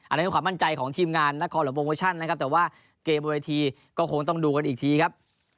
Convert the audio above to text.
อันนี้คือความมั่นใจของทีมงานนครหรือโปรโมชั่นนะครับแต่ว่าเกมบนเวทีก็คงต้องดูกันอีกทีครับ